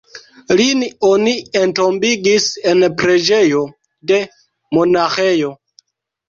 Lin oni entombigis en preĝejo de monaĥejo.